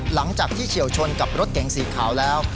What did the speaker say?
หลังจากที่เฉียวชนกับรถเก่งสีขาวแล้ว